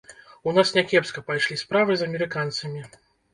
У нас някепска пайшлі справы з амерыканцамі.